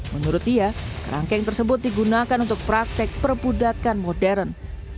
menurut dia kerangkeng tersebut digunakan untuk praktek perbudakan modern